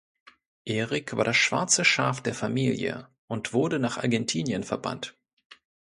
Erik war das schwarze Schaf der Familie und wurde nach Argentinien verbannt.